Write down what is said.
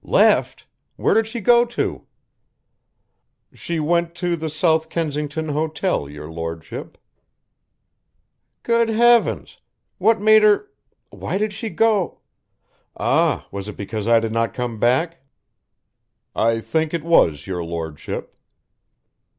"Left! where did she go to?" "She went to the South Kensington Hotel, your Lordship." "Good heavens! what made her why did she go ah, was it because I did not come back?" "I think it was, your Lordship."